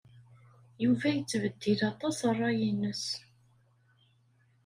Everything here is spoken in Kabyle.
Yuba yettbeddil aṭas ṛṛay-nnes.